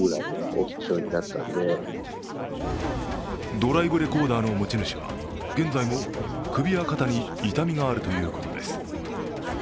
ドライブレコーダーの持ち主は、現在も首や肩に痛みがあるということです。